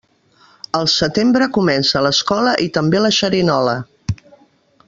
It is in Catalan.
Al setembre comença l'escola i també la xerinola.